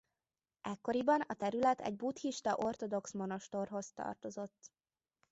Ekkoriban a terület egy buddhista ortodox monostorhoz tartozott.